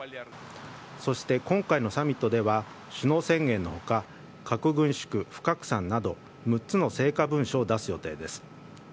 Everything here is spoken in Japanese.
そして今回のサミットでは首脳宣言の他核軍縮・不拡散など６つの成果文書を出す予定です。